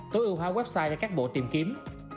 tối ưu hóa website cho các bộ tìm kiếm